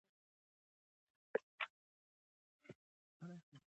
لوستې میندې د ماشوم پر حفظ الصحه پوهېږي.